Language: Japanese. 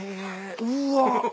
うわ！